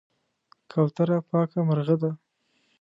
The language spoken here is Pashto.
کوتره پاکه مرغه ده.